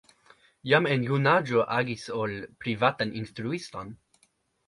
Jam en junaĝo agis ol privatan instruiston.